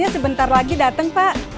sebentar lagi datang pak